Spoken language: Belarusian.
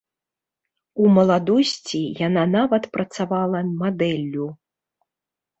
У маладосці яна нават працавала мадэллю.